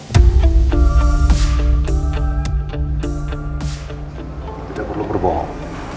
tidak perlu berbohong